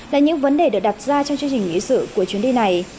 là những vấn đề được đặt ra trong chương trình lý sử của chuyến đi này